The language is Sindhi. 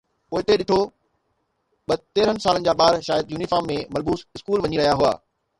پوئتي ڏٺو، ٻه تيرهن سالن جا ٻار شايد يونيفارم ۾ ملبوس اسڪول وڃي رهيا هئا.